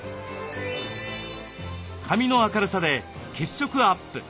髪の明るさで血色アップ